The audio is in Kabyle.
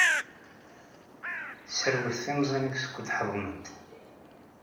Serwet timẓin-ik skud ḥeḍment.